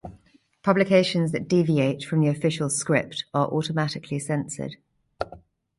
Publications that deviate from the official script are automatically censored.